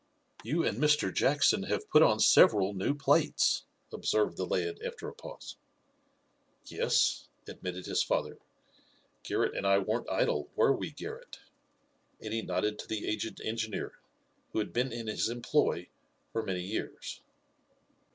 "You and Mr. Jackson have put on several new plates," observed the lad after a pause. "Yes," admitted his father. "Garret and I weren't idle, were we, Garret?" and he nodded to the aged engineer, who had been in his employ for many years.